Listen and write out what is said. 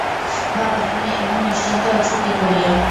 বাবা, তুমি এমন নিশ্চিন্ত আছ কী করিয়া?